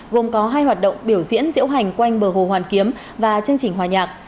gồm có hai hoạt động biểu diễn diễu hành quanh bờ hồ hoàn kiếm và chương trình hòa nhạc